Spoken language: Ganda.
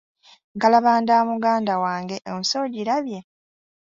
Nkalabanda muganda wange ensi ogirabye?